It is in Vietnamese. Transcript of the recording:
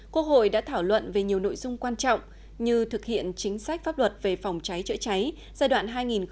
quốc hội đã thảo luận về nhiều nội dung quan trọng như thực hiện chính sách pháp luật về phòng cháy chữa cháy giai đoạn hai nghìn một mươi bốn hai nghìn một mươi tám